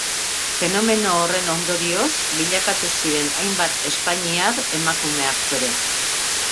Fenomeno horren ondorioz, bilakatu ziren hainbat espainiar emakume aktore.